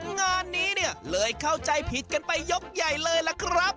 งานนี้เนี่ยเลยเข้าใจผิดกันไปยกใหญ่เลยล่ะครับ